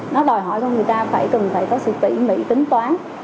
nó đòi hỏi không người ta phải cần phải có sự tỉ mỹ tính toán